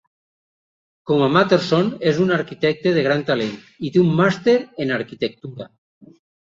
Com a Masterson, és un arquitecte de gran talent i té un màster en arquitectura.